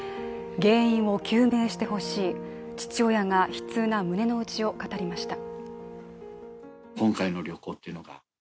原因を究明してほしい、父親が悲痛な胸のうちを語りました。